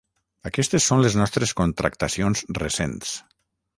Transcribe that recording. Aquestes són les nostres contractacions recents.